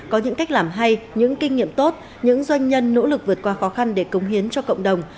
có những cách làm hay những kinh nghiệm tốt những doanh nhân nỗ lực vượt qua khó khăn để công hiến cho cộng đồng